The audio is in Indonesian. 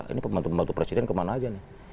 ini membantu membantu presiden kemana saja nih